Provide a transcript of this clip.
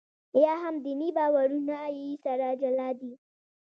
یا هم دیني باورونه یې سره جلا دي.